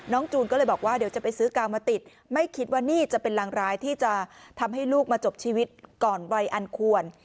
จูนก็เลยบอกว่าเดี๋ยวจะไปซื้อกาวมาติดไม่คิดว่านี่จะเป็นรางร้ายที่จะทำให้ลูกมาจบชีวิตก่อนวัยอันควร